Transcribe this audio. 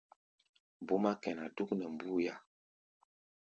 Búmá kɛná dúk nɛ mbúía.